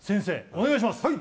お願いしますはい！